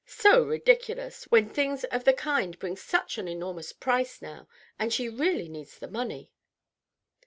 So ridiculous, when things of the kind bring such an enormous price now, and she really needs the money!"